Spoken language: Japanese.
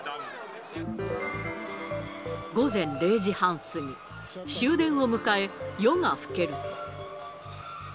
午前０時半過ぎ、終電を迎え、夜が更けると。